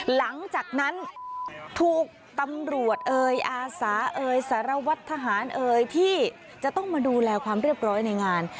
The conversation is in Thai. หลังจากนั้นถูกตำรวจเอ่ยอาสาเอ่ยสารวัตรทหารเอ่ยที่จะต้องมาดูแลความเรียบร้อยในงาน